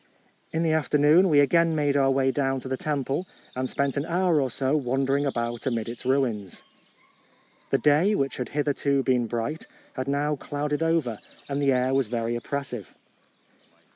In the afternoon we again made our way down to the temple, and spent an hour or so wandering about amid its ruins. The day, which had hitherto been bright, had now clouded over, and the air was very oppressive.